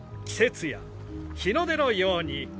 季節や日の出のように。